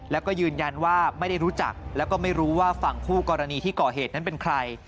แล้วก็ยืนยันว่าไม่ได้รู้จักแล้วก็ไม่รู้ว่าฝั่งคู่กรณีที่ก่อเหตุนั้นเป็นใคร